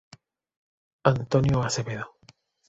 Antonio Acevedo.